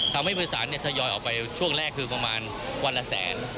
ทำให้ผู้โดยสารทยอยออกไปช่วงแรกคือประมาณวันละแสน